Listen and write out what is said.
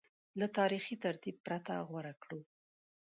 له تاریخي ترتیب پرته غوره کړو